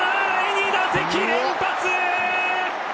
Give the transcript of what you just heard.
２打席連発！